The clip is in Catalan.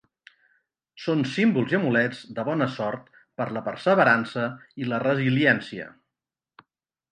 Són símbols i amulets de bona sort per la perseverança i la resiliència.